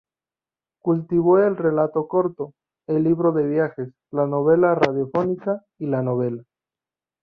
Cultivó el relato corto, el libro de viajes, la novela radiofónica y la novela.